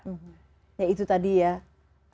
itu yang saya inginkan